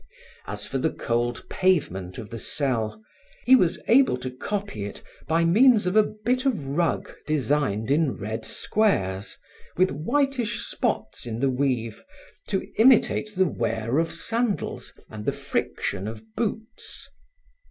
As for the cold pavement of the cell, he was able to copy it, by means of a bit of rug designed in red squares, with whitish spots in the weave to imitate the wear of sandals and the friction of boots.